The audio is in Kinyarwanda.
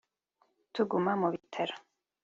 tuguma mu bitaro